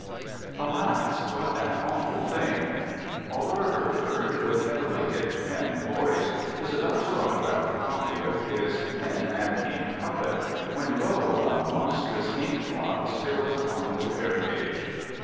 Alas, what an awful thing! Oliver Herford, with heavily dipped pen poised, is about to autograph a copy of his "Pen and Ink Puppet," when, lo! a monstrous ink blot spills upon the fair page.